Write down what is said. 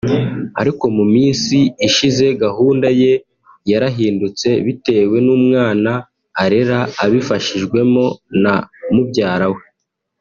Ariko mu minsi ishize gahunda ye yarahindutse bitewe n’umwana arera abifashijwemo na mubyara we